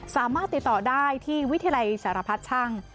สามารถติดต่อได้ที่วิทยาลัยสารพัดช่าง